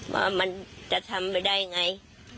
ว่ามันจะทำไปได้ไง